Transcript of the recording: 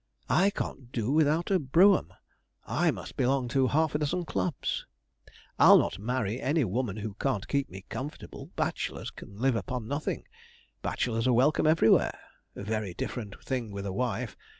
I can't do without a brougham. I must belong to half a dozen clubs. I'll not marry any woman who can't keep me comfortable bachelors can live upon nothing bachelors are welcome everywhere very different thing with a wife.